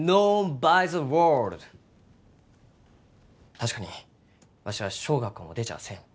確かにわしは小学校も出ちゃあせん。